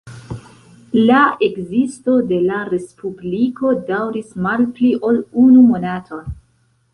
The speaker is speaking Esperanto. La ekzisto de la respubliko daŭris malpli ol unu monaton.